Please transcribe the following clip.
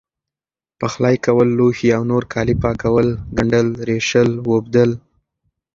پخلی کول لوښي او نور کالي پاکول، ګنډل، رېشل، ووبدل،